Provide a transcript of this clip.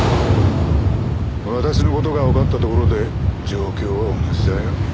私の事がわかったところで状況は同じだよ。